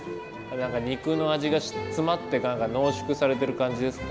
何か肉の味が詰まって何か濃縮されてる感じですか？